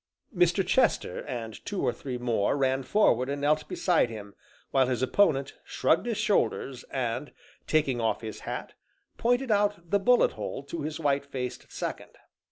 Mr. Chester, and two or three more, ran forward and knelt beside him, while his opponent shrugged his shoulders, and, taking off his hat, pointed out the bullet hole to his white faced second.